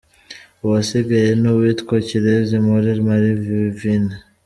Uwasigaye n’ uwitwa Ikirezi Mpore Marie Wivine.